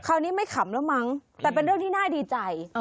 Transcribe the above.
คราวนี้ไม่ขำแล้วมั้งแต่เป็นเรื่องที่น่าดีใจ